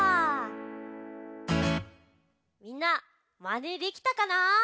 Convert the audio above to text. みんなまねできたかな？